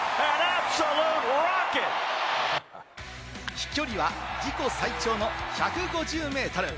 飛距離は自己最長の１５０メートル。